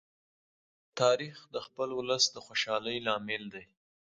تاریخ د خپل ولس د خوشالۍ لامل دی.